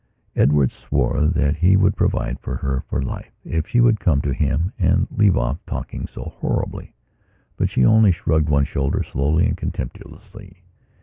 Edward swore that he would provide for her for life if she would come to him and leave off talking so horribly; but she only shrugged one shoulder slowly and contemptuously.